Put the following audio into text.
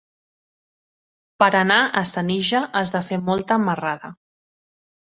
Per anar a Senija has de fer molta marrada.